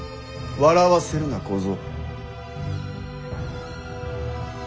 笑わせるな小僧。